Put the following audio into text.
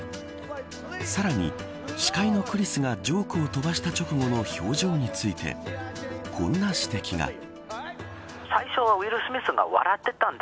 さらに司会のクリスがジョークを飛ばした直後の表情についてこんな指摘が。